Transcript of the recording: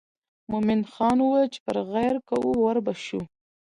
مومن خان وویل پر غیر کوو ور به شو.